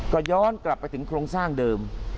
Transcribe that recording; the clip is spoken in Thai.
ก็ย้อนกลับไปถึงโครงสร้างเดิม